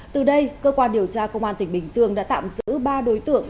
từ đây cơ quan điều tra công an tỉnh bình dương đã tạm giữ ba đối tượng